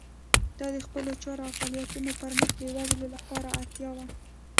دا د خپلو چارو او فعالیتونو د پرمخ بیولو لپاره اړتیا وه.